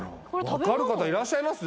分かる方いらっしゃいます？